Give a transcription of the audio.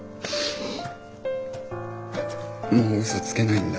もううそつけないんだ。